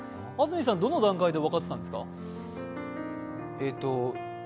安住さん、どの段階で分かってたんですか？